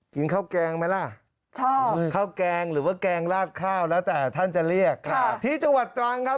กินข้าวแกงไหมล่ะชอบข้าวแกงหรือว่าแกงลาดข้าวแล้วแต่ท่านจะเรียกที่จังหวัดตรังครับ